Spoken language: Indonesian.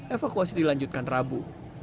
evakuasi dilanjutkan rabu